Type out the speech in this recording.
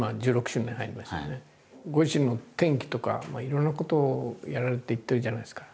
ご自身の転機とかいろんなことをやられていってるじゃないですか。